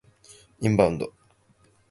インバウンド